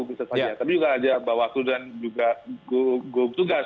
bisa saja tapi juga bawaslu dan juga gugup tugas